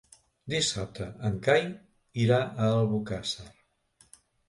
Dissabte en Cai irà a Albocàsser.